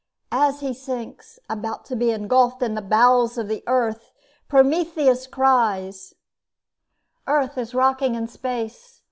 As he sinks, about to be engulfed in the bowels of the earth, Prometheus cries: "Earth is rocking in space!